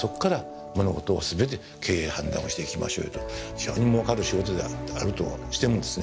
非常にもうかる仕事であるとしてもですね